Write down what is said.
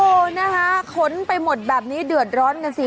โอ้โหนะคะขนไปหมดแบบนี้เดือดร้อนกันสิ